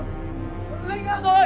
linh hãy ra bed